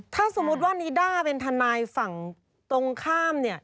ถ้าสมมุติว่านิด้าเป็นทนายฝั่งตรงข้ามเนี่ย